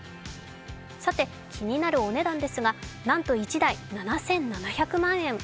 さて、気になるお値段ですがなんと１台７７００万円。